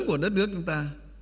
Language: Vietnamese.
của đất nước chúng ta